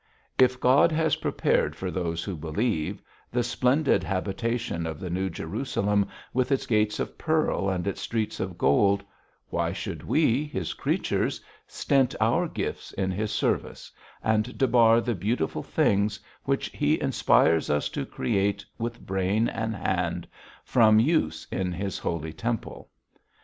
If God has prepared for those who believe the splendid habitation of the New Jerusalem with its gates of pearl and its streets of gold, why should we, His creatures, stint our gifts in His service, and debar the beautiful things, which He inspires us to create with brain and hand, from use in His holy temple?